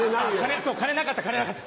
金なかった金なかった。